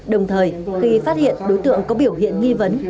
đồng thời khi phát hiện đối tượng có biểu hiện nghi vấn